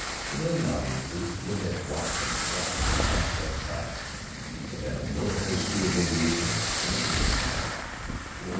Civilian audiences would have watched in breathless, awe struck silence; but at a military school of aviation it was a different matter.